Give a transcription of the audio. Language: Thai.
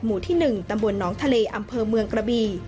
หมู่ที่๑ตำบลน้องทะเลอำเภอเมืองกระบี